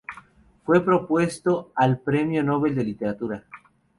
Fue propuesto al Premio Nobel de Literatura.